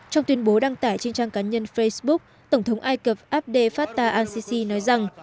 trong tuyên bố đăng tải trên trang cá nhân facebook tổng thống ai cập abdel fattah al sisi nói rằng